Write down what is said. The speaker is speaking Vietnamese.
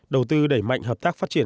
đầu tư đẩy mạnh hợp tác phát triển